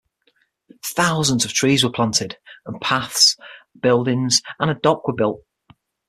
Thousands of trees were planted, and paths, buildings, and a dock were built.